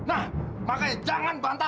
nah makanya jangan bantah